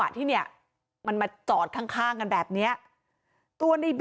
แต่แท็กซี่เขาก็บอกว่าแท็กซี่ควรจะถอยควรจะหลบหน่อยเพราะเก่งเทาเนี่ยเลยไปเต็มคันแล้ว